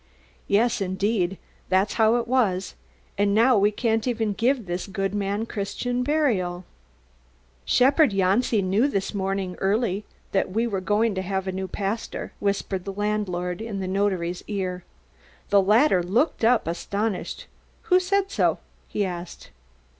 "Yes, indeed, that's how it was. And now we can't even give this good man Christian burial." "Shepherd Janci knew this morning early that we were going to have a new pastor," whispered the landlord in the notary's ear. The latter looked up astonished. "Who said so?" he asked.